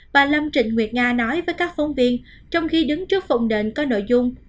bà lâm trịnh nguyệt nga nói với các phóng viên trong khi đứng trước phòng đệm có nội dung